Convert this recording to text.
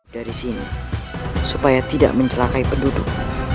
dari sini supaya tidak mencelakai penduduk